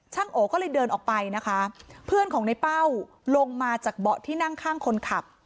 โอก็เลยเดินออกไปนะคะเพื่อนของในเป้าลงมาจากเบาะที่นั่งข้างคนขับ